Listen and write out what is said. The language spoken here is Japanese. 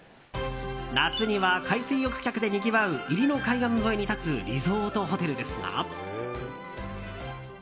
夏には海水浴客でにぎわう入野海岸沿いに立つリゾートホテルですが。